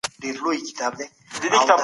د جرګي ویاند څه وايي؟